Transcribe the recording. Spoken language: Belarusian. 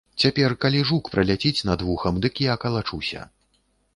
Цяпер калі жук праляціць над вухам, дык я калачуся.